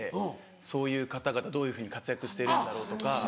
そういう方々どういうふうに活躍してるんだろうとか。